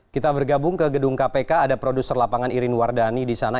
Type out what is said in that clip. kita bergabung ke gedung kpk ada produser lapangan irin wardani di sana